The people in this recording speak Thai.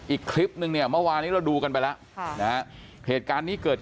อีกคลิปนึงเนี่ยเมื่อวานี้เราดูกันไปแล้วเหตุการณ์นี้เกิด